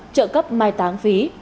trợ cấp mai táng phí